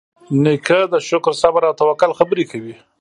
نیکه د شکر، صبر، او توکل خبرې کوي.